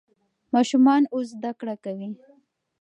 ماشومان اوس زده کړه کوي.